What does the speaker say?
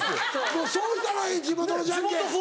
もうそうしたらいい地元のジャンケン。